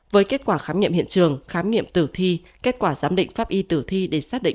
với kết quả khám nghiệm hiện trường khám nghiệm tử thi kết quả giám định pháp y tử thi để xác định